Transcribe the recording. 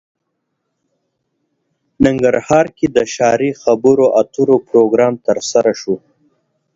ننګرهار کې د ښاري خبرو اترو پروګرام ترسره شو